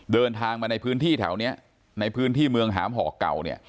เดินทางมาในพื้นที่แถวนี้ในพื้นที่เมืองหามห่อเก่าเนี่ย